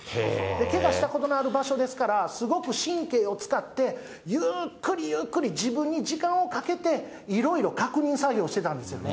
けがしたことのある場所ですから、すごく神経を使って、ゆーっくり、ゆーっくり、自分に時間をかけていろいろ確認作業してたんですよね。